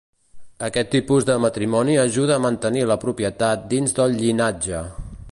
Aquest tipus de matrimoni ajuda a mantenir la propietat dins del llinatge.